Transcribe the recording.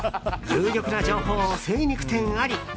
有力な情報、精肉店あり。